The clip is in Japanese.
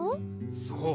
そう。